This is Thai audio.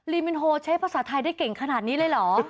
มินโฮใช้ภาษาไทยได้เก่งขนาดนี้เลยเหรอ